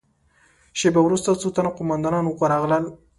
شېبه وروسته څو تنه قوماندانان ورغلل.